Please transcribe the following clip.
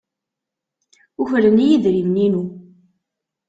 Ukren-iyi idrimen-inu.